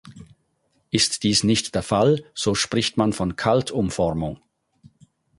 Ist dies nicht der Fall, so spricht man von Kaltumformung.